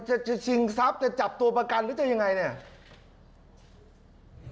จะชิงทรัพย์จะจับตัวประกันหรือจะยังไงเนี่ย